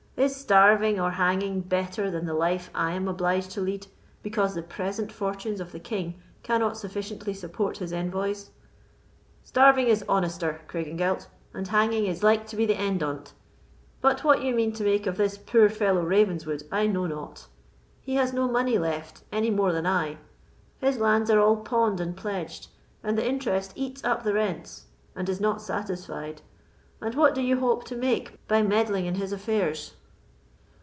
Is starving or hanging better than the life I am obliged to lead, because the present fortunes of the king cannot sufficiently support his envoys?" "Starving is honester, Craigengelt, and hanging is like to be the end on't. But what you mean to make of this poor fellow Ravenswood, I know not. He has no money left, any more than I; his lands are all pawned and pledged, and the interest eats up the rents, and is not satisfied, and what do you hope to make by meddling in his affairs?"